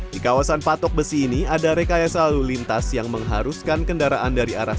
di kawasan patok besi ini ada rekayasa lalu lintas yang mengharuskan kendaraan dari arah